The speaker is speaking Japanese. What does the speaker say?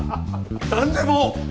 何でも！